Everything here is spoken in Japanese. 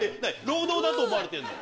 労働だと思われてんの？